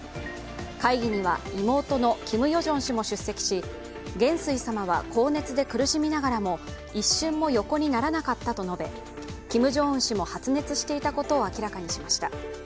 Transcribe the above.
会議には妹のキム・ヨジョン氏も出席し元帥様は高熱で苦しみながらも一瞬も横にならなかったと述べ、キム・ジョンウン氏も発熱していたことを明らかにしました。